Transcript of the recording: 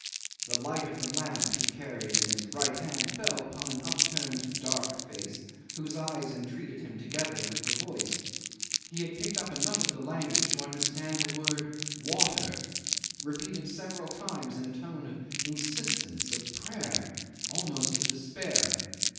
The light of the lamp he carried in his right hand fell upon an upturned dark face whose eyes entreated him together with the voice. He had picked up enough of the language to understand the word water, repeated several times in a tone of insistence, of prayer, almost of despair.